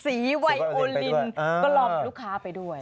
ไวโอลินก็ลอมลูกค้าไปด้วย